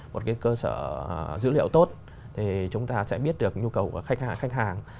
một cái cơ sở dữ liệu tốt thì chúng ta sẽ biết được nhu cầu của khách hàng